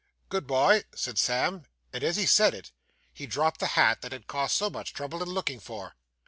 'Good bye!' said Sam; and as he said it, he dropped the hat that had cost so much trouble in looking for.